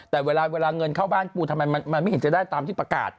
แต่เวลาเงินเข้าบ้านปูทำไมมันไม่เห็นจะได้ตามที่ประกาศ